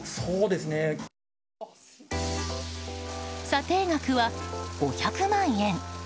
査定額は５００万円。